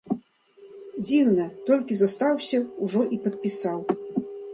Дзіўна, толькі застаўся, ужо і падпісаў.